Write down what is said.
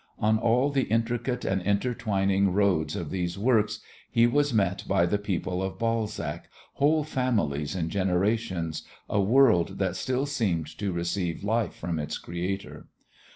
On all the intricate and intertwining roads of these works he was met by the people of Balzac, whole families and generations, a world that still seemed to receive life from its creator.